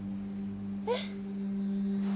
えっ？